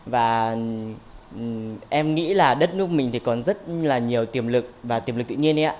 và em nghĩ là đất nước mình thì còn rất là nhiều tiềm lực và tiềm lực tự nhiên